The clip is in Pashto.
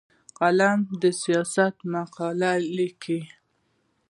قلم د سیاست مقاله لیکي